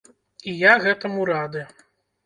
І я гэтаму рады.